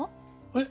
えっ？